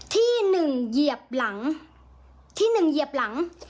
ที่หนึ่งเหยียบหลังที่หนึ่งเหยียบหลัง